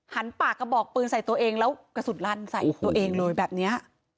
ปากกระบอกปืนใส่ตัวเองแล้วกระสุนลั่นใส่ตัวเองเลยแบบนี้